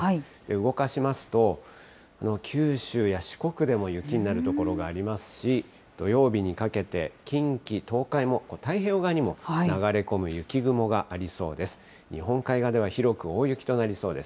動かしますと、九州や四国でも雪になる所がありますし、土曜日にかけて、近畿、東海も太平洋側にも流れ込む雪雲がありそうです。